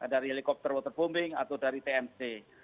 dari helikopter waterbombing atau dari tmc